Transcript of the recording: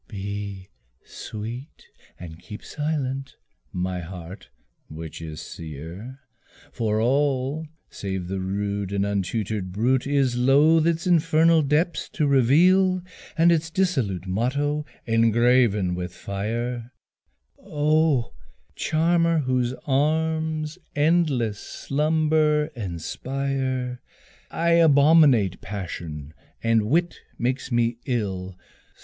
Be sweet and keep silent, my heart, which is sear, For all save the rude and untutored brute, Is loth its infernal depths to reveal, And its dissolute motto engraven with fire, Oh charmer! whose arms endless slumber inspire! I abominate passion and wit makes me ill.